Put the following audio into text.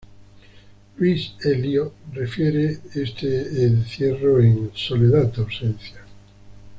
Luis Elío refiere este encierro en "Soledad de ausencia.